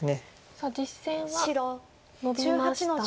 さあ実戦はノビました。